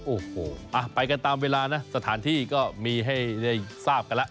โอ้โหไปกันตามเวลานะสถานที่ก็มีให้ได้ทราบกันแล้ว